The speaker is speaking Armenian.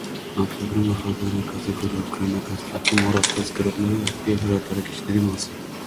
Ամսագրում նախաձեռնել է կատեգորիա ուկրաինական սփյուռքի մոռացված գրողների և հրատարակիչների համար։